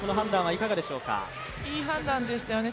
いい判断でしたよね。